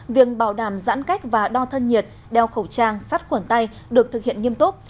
việc bảo đảm giãn cách và đo thân nhiệt đeo khẩu trang sắt khuẩn tay được thực hiện nghiêm túc